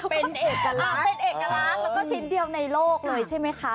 เป็นเอกลักษณ์แล้วก็ชิ้นเดียวในโลกเลยใช่ไหมคะ